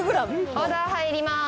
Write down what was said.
オーダー入ります！